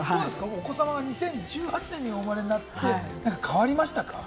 お子様、２０１８年にお生まれになって変わりましたか？